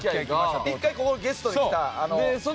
１回ここにゲストで来たあの。